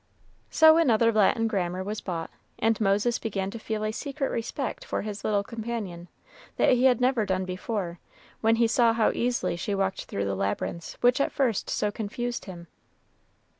So another Latin grammar was bought, and Moses began to feel a secret respect for his little companion, that he had never done before, when he saw how easily she walked through the labyrinths which at first so confused him.